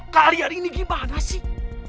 kalian ini gimana sih